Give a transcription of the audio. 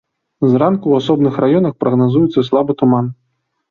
Зранку ў асобных раёнах прагназуецца слабы туман.